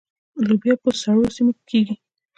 لوبیا په سړو سیمو کې کیږي.